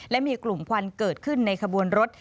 ที่กลุ่มพันธุ์เกิดขึ้นในขบวนรถ